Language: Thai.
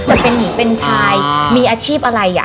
จะเป็นหญิงเป็นชายมีอาชีพอะไรอ่ะ